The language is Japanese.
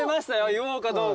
言おうかどうか。